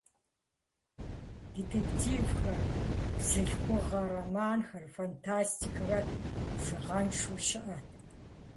Детективхэр, бзылъхугъэ романхэр, фантастикэхэр бжыгъэншэу щыӏэт.